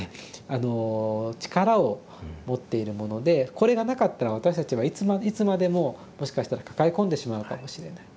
あの力を持っているものでこれがなかったら私たちはいつまでももしかしたら抱え込んでしまうかもしれない。